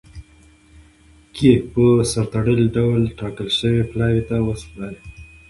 کي په سر تړلي ډول ټاکل سوي پلاوي ته وسپاري.